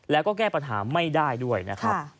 แล้วก็แก้ปัญหาไม่ได้ด้วยนะครับ